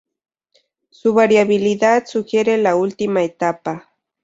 Su variabilidad sugiere la última etapa.